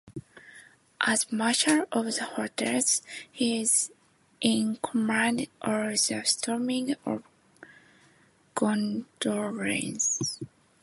As Marshal of the Hosts, he is in command of the Storming of Gondolin.